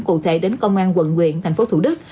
cụ thể đến công an quận nguyện thành phố thủ đức